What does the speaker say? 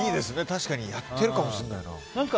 確かにやってるかもしれないな。